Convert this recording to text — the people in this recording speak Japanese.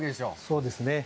そうですね。